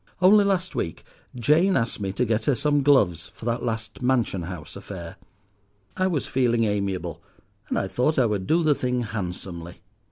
Only last week Jane asked me to get her some gloves for that last Mansion House affair. I was feeling amiable, and I thought I would do the thing handsomely.